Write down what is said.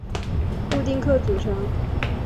固定客组成。